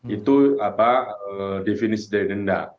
itu definisi dari denda